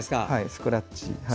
スクラッチ。